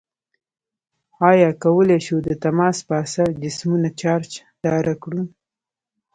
آیا کولی شو د تماس په اثر جسمونه چارج داره کړو؟